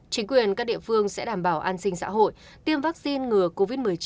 chính quyền các địa phương sẽ đảm bảo an sinh xã hội tiêm vaccine ngừa covid một mươi chín